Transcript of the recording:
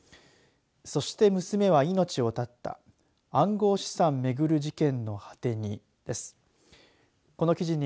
そして娘は命を絶った暗号資産めぐる事件の果てに。